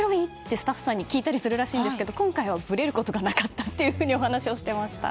スタッフさんに聞いたりするらしいのですが今回はぶれることがなかったとお話をしていました。